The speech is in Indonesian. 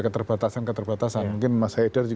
keterbatasan keterbatasan mungkin mas haider